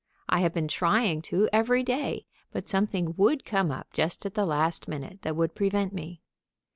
I have been trying to every day, but something would come up just at the last minute that would prevent me.